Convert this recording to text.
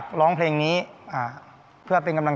ช่วยฝังดินหรือกว่า